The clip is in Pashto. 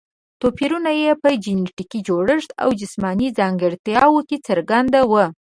توپیرونه یې په جینټیکي جوړښت او جسماني ځانګړتیاوو کې څرګند وو.